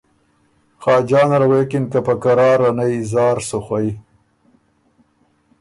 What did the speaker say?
خاجان ال غوېکِن که په قراره نئ زار سُو خوئ